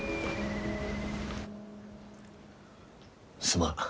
すまん。